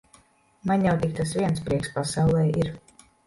Man jau tik tas viens prieks pasaulē ir.